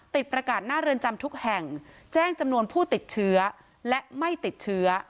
ประกาศหน้าเรือนจำทุกแห่งแจ้งจำนวนผู้ติดเชื้อและไม่ติดเชื้อ